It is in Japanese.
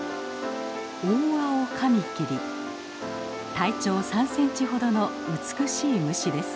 体長３センチほどの美しい虫です。